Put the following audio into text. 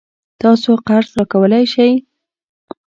تاسو قرض راکولای شئ؟